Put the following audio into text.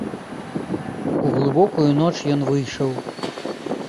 У глыбокую ноч ён выйшаў.